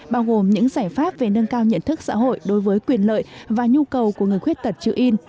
bao gồm những giải pháp về nâng cao nhận thức xã hội đối với quyền lợi và nhu cầu của người khuyết tật chữ in